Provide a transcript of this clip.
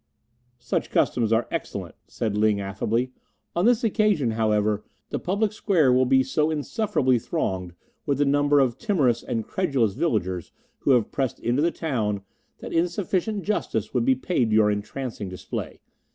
"Such customs are excellent," said Ling affably. "On this occasion, however, the public square will be so insufferably thronged with the number of timorous and credulous villagers who have pressed into the town that insufficient justice would be paid to your entrancing display.